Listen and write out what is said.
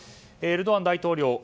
エルドアン大統領